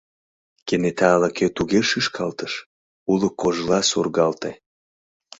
Кенета ала-кӧ туге шӱшкалтыш — уло кожла сургалте.